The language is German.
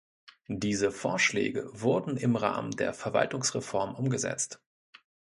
Diese Vorschläge wurden im Rahmen der Verwaltungsreform umgesetzt.